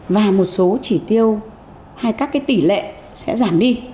và một số chỉ tiêu hay các tỷ lệ sẽ giảm đi